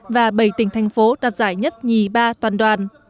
và bảy tỉnh thành phố đạt giải nhất nhì ba toàn đoàn